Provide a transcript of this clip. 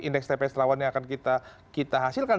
indeks tps lawan yang akan kita hasilkan